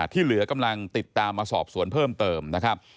ที่เหลือกำลังติดตามมาสอบสวนเพิ่มเติมนะครับ